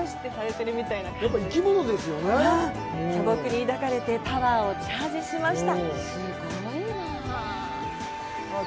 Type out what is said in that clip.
巨木に抱かれてパワーをチャージしました。